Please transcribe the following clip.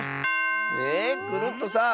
えっクルットさん